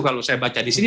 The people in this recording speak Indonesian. kalau saya baca di sini